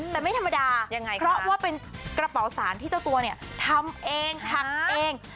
แต่ไม่ธรรมดายังไงเพราะว่าเป็นกระเป๋าสารที่เจ้าตัวเนี่ยทำเองหักเอง